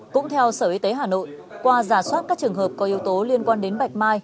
cũng theo sở y tế hà nội qua giả soát các trường hợp có yếu tố liên quan đến bạch mai